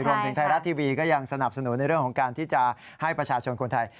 รวมถึงไทยรัฐทีวีก็ยังสนับสนุนในเรื่องของการที่จะให้ประชาชนคนไทย